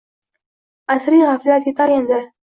Asriy g’aflat yetar endi